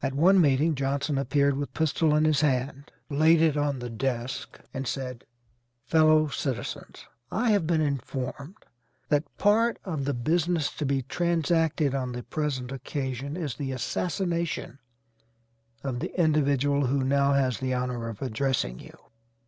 At one meeting Johnson appeared with pistol in his hand, laid it on the desk, and said: "Fellow citizens, I have been informed that part of the business to be transacted on the present occasion is the assassination of the individual who now has the honor of addressing you.